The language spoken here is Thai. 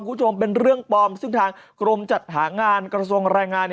คุณผู้ชมเป็นเรื่องปลอมซึ่งทางกรมจัดหางานกระทรวงแรงงาน